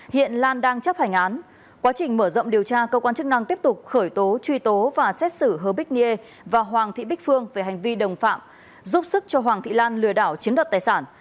hiện lan đang chấp hành án quá trình mở rộng điều tra cơ quan chức năng tiếp tục khởi tố truy tố và xét xử hơ bích niê và hoàng thị bích phương về hành vi đồng phạm giúp sức cho hoàng thị lan lừa đảo chiếm đoạt tài sản